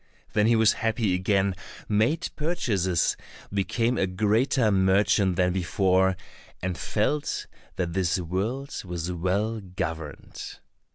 Then he was happy again, made purchases, became a greater merchant than before, and felt that this world was well governed.